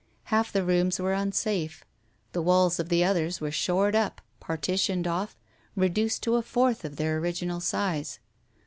Half the rooms were unsafe, the walls of the others were shored up, partitioned off, reduced to a fourth of their original size.